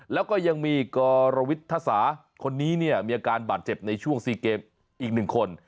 แล้วก็ยังมีกรวิทธศาคนนี้เนี่ยมีอาการบาดเจ็บในช่วง๔เกมอีก๑คน